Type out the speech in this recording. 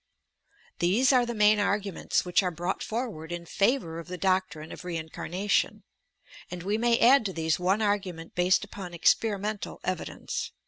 These are the main arguments, which are brought forward in favour of the doctrine of reincarnation, and we may add to these one argument based upon experi mental evidence.